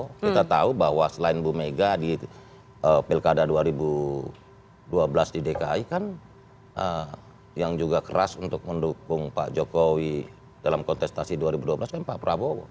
kita tahu bahwa selain bu mega di pilkada dua ribu dua belas di dki kan yang juga keras untuk mendukung pak jokowi dalam kontestasi dua ribu dua belas kan pak prabowo